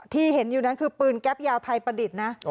ที่เห็นอยู่นั้นคือปืนแก๊ปยาวไทยประดิษฐ์นะ